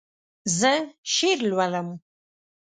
زه شعر لولم